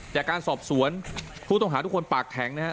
จากการสอบสวนผู้ต้องหาทุกคนปากแข็งนะครับ